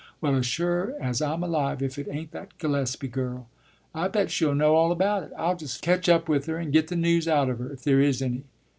“Well, as sure as I'm alive, if it ain't that Gillespie girl! I bet she'll know all about it. I'll just ketch up with her and git the news out of her, if there is any.